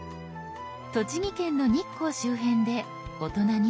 栃木県の日光周辺で大人２名１部屋。